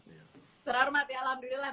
terhormat ya alhamdulillah